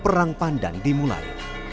perang pandan dimulai